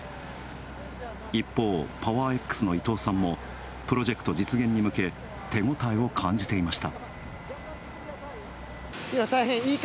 一方、パワーエックスの伊藤さんもプロジェクト実現に向け、手応えを感じていました。